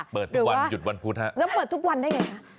เปิดทุกวันหยุดวันพุธฮะแล้วเปิดทุกวันได้ไงคะ